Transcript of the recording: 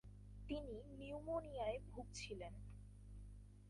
তিনি নিউমোনিয়ায় ভুগছিলেন।